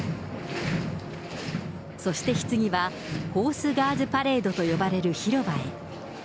そして、ひつぎはホース・ガーズ・パレードと呼ばれる広場へ。